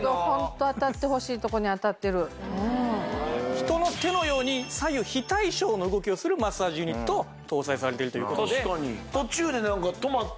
人の手のように左右非対称の動きをするマッサージユニットを搭載されているという事で。